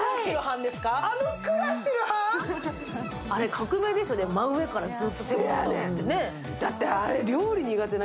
あれ革命ですよね、真上からずっと撮るの。